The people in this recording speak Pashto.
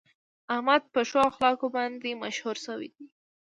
احمد په ښو اخلاقو باندې مشهور شوی دی.